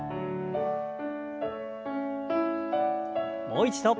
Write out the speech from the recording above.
もう一度。